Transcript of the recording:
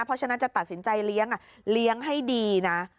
เพราะฉะนั้นจะตัดสินใจเลี้ยงเลี้ยงให้ดีนะ